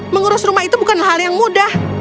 mengurus rumah itu bukan hal yang mudah